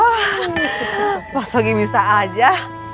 oh pak sogi bisa aja